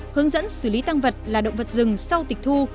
hướng dẫn xử lý tăng vật là động vật rừng sau tịch thu